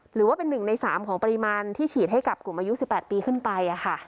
หรือว่าเป็นหนึ่งในสามของปริมาณที่ฉีดให้กับกลุ่มอายุสิบแปดปีขึ้นไปอะค่ะ